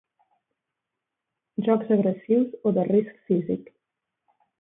Jocs agressius o de risc físic.